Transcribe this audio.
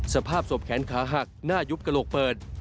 สภาพศพแขนขาหักหน้ายุบกระโหลกเปิด